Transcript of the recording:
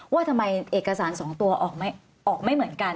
ว่าทำไมเอกสาร๒ตัวออกไม่เหมือนกัน